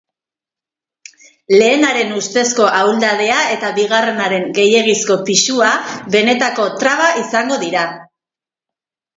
Lehenaren ustezko ahuldadea eta bigarrenaren gehiegizko pisua benetako traba izango dira.